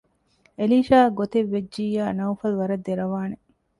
އެލީޝާއަށް ގޮތެއް ވެއްޖިއްޔާ ނައުފަލު ވަރަށް ދެރަވާނެ